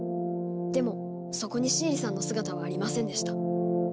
でもそこにシエリさんの姿はありませんでした。